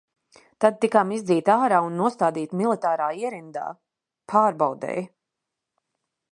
Tad tikām izdzīti ārā un nostādīti militārā ierindā – pārbaudei.